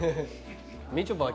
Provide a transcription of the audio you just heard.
みちょぱは。